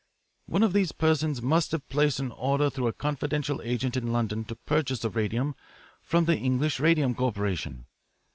One of these persons must have placed an order through a confidential agent in London to purchase the radium from the English Radium Corporation.